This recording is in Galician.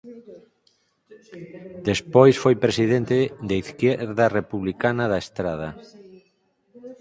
Despois foi presidente de Izquierda Republicana da Estrada.